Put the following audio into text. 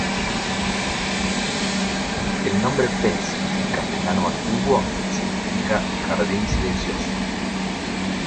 El nombre "pensil" en castellano antiguo significa "jardín delicioso".